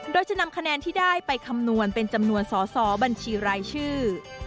โดยจะนำคะแนนที่ได้ไปคำนวณเป็นจำนวนสอสอบัญชีรายชื่อ